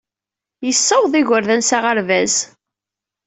Yessawaḍ igerdan s aɣerbaz.